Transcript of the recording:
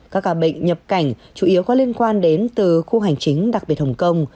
các ca bệnh nhập cảnh chủ yếu có liên quan đến từ khu hành chính đặc biệt hồng kông